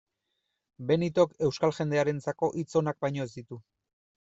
Benitok euskal jendearentzako hitz onak baino ez ditu.